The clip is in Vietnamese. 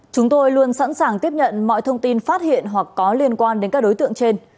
chúng tôi luôn sẵn sàng tiếp nhận mọi thông tin phát hiện hoặc có liên quan đến các đối tượng trên